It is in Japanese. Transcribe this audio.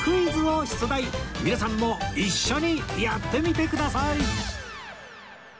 皆さんも一緒にやってみてください！